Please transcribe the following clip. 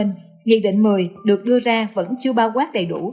nghị định một mươi được đưa ra vẫn chưa bao quát đầy đủ